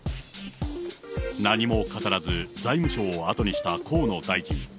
何も語らず、財務省を後にした河野大臣。